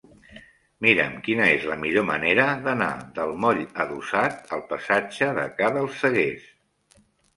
Mira'm quina és la millor manera d'anar del moll Adossat al passatge de Ca dels Seguers.